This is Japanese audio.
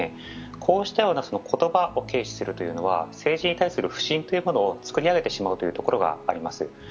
こうした言葉を軽視するというのは政治に対する不信を作り上げてしまうところがあります。